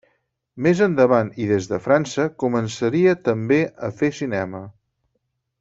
Més endavant i des de França, començaria també a fer cinema.